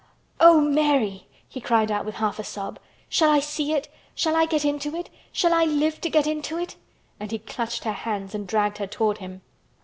"Oh! Mary!" he cried out with a half sob. "Shall I see it? Shall I get into it? Shall I live to get into it?" and he clutched her hands and dragged her toward him.